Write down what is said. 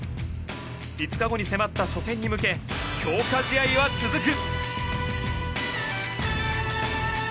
５日後に迫った初戦に向け強化試合は続く。